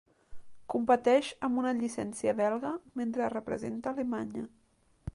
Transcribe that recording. Competeix amb una llicència belga, mentre representa Alemanya.